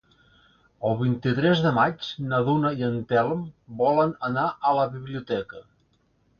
El vint-i-tres de maig na Duna i en Telm volen anar a la biblioteca.